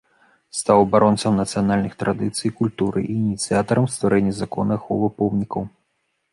Стаў абаронцам нацыянальных традыцый і культуры і ініцыятарам стварэння закону аховы помнікаў.